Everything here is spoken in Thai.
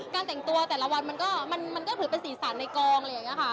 การแต่งตัวแต่ละวันมันก็ผิดเป็นสีสันในกองเลย